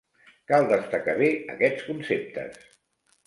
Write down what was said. Cal destacar bé aquests conceptes.